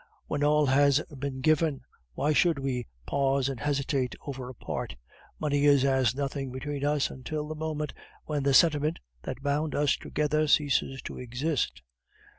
When all has been given, why should we pause and hesitate over a part? Money is as nothing between us until the moment when the sentiment that bound us together ceases to exist.